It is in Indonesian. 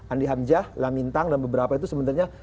andi hamzah lamintang dan beberapa itu sebenarnya